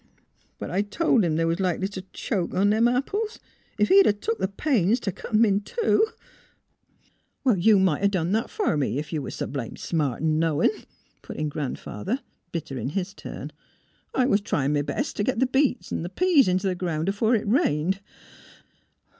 *' But I told him they was likely to choke on them apples. Ef he'd a took the pains t' cut 'em in two "*' You might 'a' done that fur me, ef you was s' blamed smart an' knowin'," put in Grand father, bitter in his turn, *' I was tryin' m' best t' git the beets an' peas int' the ground afore it rained.